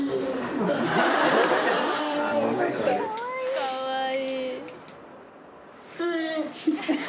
かわいい。